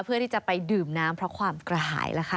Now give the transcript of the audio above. เพื่อที่จะไปดื่มน้ำเพราะความกระหายล่ะค่ะ